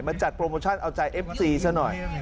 จัดโปรโมชั่นเอาใจเอฟซีซะหน่อย